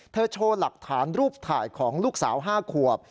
โชว์หลักฐานรูปถ่ายของลูกสาว๕ขวบ